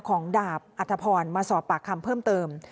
ดาบอัธพรมาสอบปากคำเพิ่มเติม